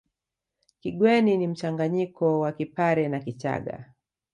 Kigweno ni mchanganyiko wa Kipare na Kichagga